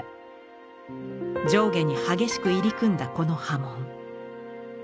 上下に激しく入り組んだこの刃文。